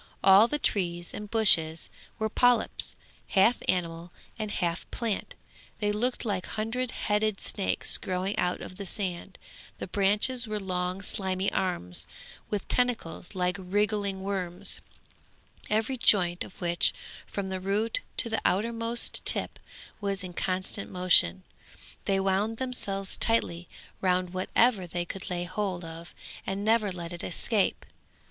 All the trees and bushes were polyps, half animal and half plant; they looked like hundred headed snakes growing out of the sand, the branches were long slimy arms, with tentacles like wriggling worms, every joint of which, from the root to the outermost tip, was in constant motion. They wound themselves tightly round whatever they could lay hold of and never let it escape.